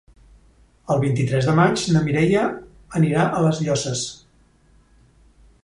El vint-i-tres de maig na Mireia anirà a les Llosses.